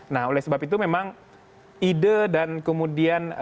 nah oleh sebab itu memang ide dan kemudian